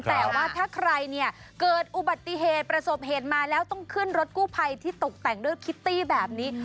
แต่ว่าถ้าใครเนี่ยเกิดอุบัติเหตุประสบเหตุมาแล้วต้องขึ้นรถกู้ภัยที่ตกแต่งด้วยคิตตี้แบบนี้